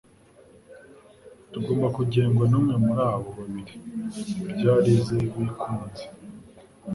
Tugomba kugengwa n'umwe muri abo babiri byarize bikunze,